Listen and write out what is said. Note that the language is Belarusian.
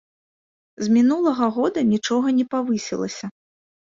З мінулага года нічога не павысілася.